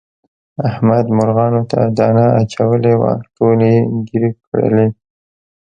احمد مرغانو ته دانه اچولې وه ټولې یې ګیر کړلې.